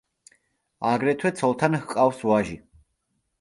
აგრეთვე ცოლთან ჰყავს ვაჟი.